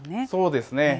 そうですね。